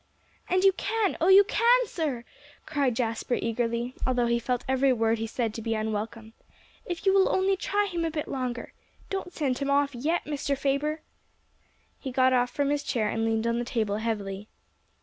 "And you can oh, you can, sir!" cried Jasper eagerly, although he felt every word he said to be unwelcome, "if you will only try him a bit longer. Don't send him off yet, Mr. Faber." He got off from his chair, and leaned on the table heavily.